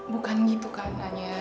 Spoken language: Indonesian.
bukan gitu kan nanya